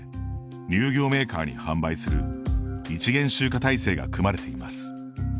乳業メーカーに販売する一元集荷体制が組まれています。